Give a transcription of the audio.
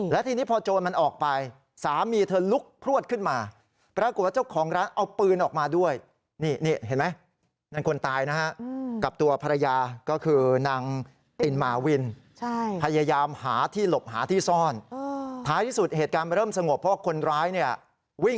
เพราะคนร้ายวิ่งออกไปแล้ว